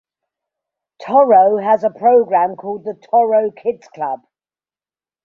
Toro has a program called the Toro Kids Club.